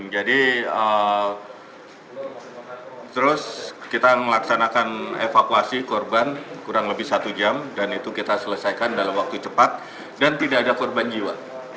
terus kita melaksanakan evakuasi korban kurang lebih satu jam dan itu kita selesaikan dalam waktu cepat dan tidak ada korban jiwa